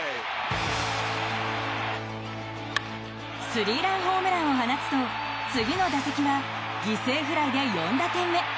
スリーランホームランを放つと次の打席は犠牲フライで４打点目。